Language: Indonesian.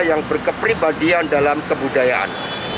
yang berkepribadian dalam kebudayaan